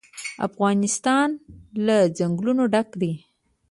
افغانستان له ځنګلونه ډک دی.